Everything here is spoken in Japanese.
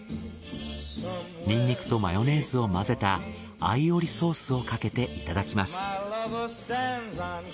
ニンニクとマヨネーズを混ぜたアイオリソースをかけていただきます。